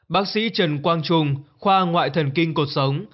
bác sĩ trần quang trung khoa ngoại thần kinh cuộc sống